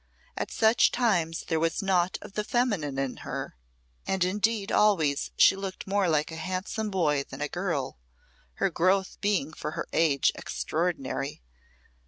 At such times there was naught of the feminine in her, and indeed always she looked more like a handsome boy than a girl, her growth being for her age extraordinary.